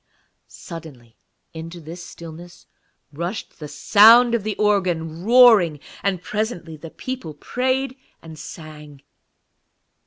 Suddenly into this stillness rushed the sound of the organ, roaring, and presently the people prayed and sang.